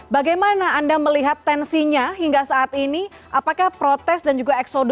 bisa kami dengar